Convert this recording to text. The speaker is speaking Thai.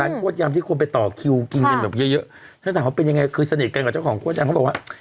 ร้านโฆษยำที่ควรไปต่อคิวกินเงินแบบเยอะเยอะฉันถามเขาเป็นยังไงคือสนิทกันกับเจ้าของโฆษยำเขาบอกว่า